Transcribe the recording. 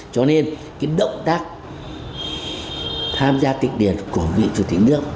cho nên cái động tác tham gia tích điển của vị chủ tịch nước